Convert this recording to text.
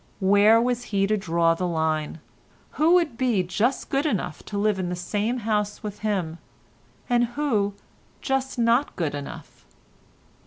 Where was he to draw the line? Who would be just good enough to live in the same house with him, and who just not good enough?